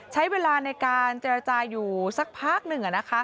ใช้เวลาในการเจรจาอยู่สักพักหนึ่ง